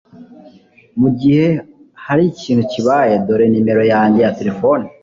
Mugihe harikintu kibaye, dore numero yanjye ya terefone.